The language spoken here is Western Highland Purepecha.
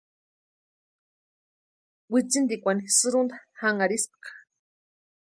Wintsintikwani sïrunta janharhispka.